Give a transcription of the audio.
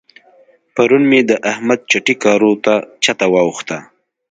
پرون مې د احمد چټي کارو ته چته واوښته.